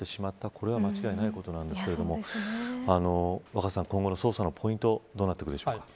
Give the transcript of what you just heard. これは間違いないことなんですが若狭さん、今後の捜査のポイントどうなってくるでしょうか。